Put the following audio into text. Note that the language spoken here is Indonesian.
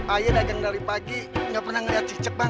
ayah dagang dari pagi gak pernah ngelihat cicak bang